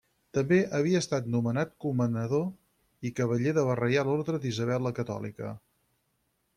També havia estat nomenat comanador i cavaller de la Reial Orde d'Isabel la Catòlica.